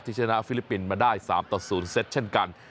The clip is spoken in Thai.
ชนะฟิลิปปินส์มาได้๓ต่อ๐เซตเช่นกัน